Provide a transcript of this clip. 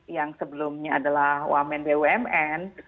yang sebelumnya adalah wamen bumn